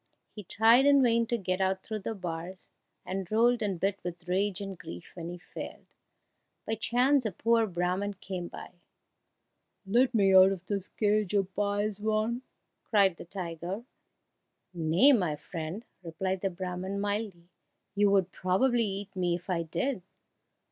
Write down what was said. He tried in vain to get out through the bars, and rolled and bit with rage and grief when he failed. By chance a poor Brahman came by. "Let me out of this cage, oh pious one!" cried the tiger. "Nay, my friend," replied the Brahman mildly, "you would probably eat me if I did."